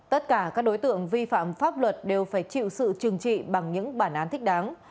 tất cả các đối tượng vi phạm pháp luật đều phải chịu sự trừng trị bằng những bản án thích đáng